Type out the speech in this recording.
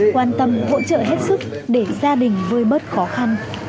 quan tâm hỗ trợ hết sức để gia đình vơi bớt khó khăn